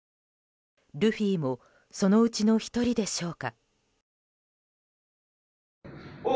ルフィもそのうちの１人でしょうか。